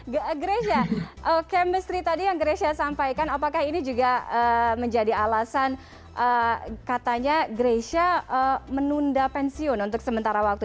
grecia chemistry tadi yang grecia sampaikan apakah ini juga menjadi alasan katanya greysia menunda pensiun untuk sementara waktu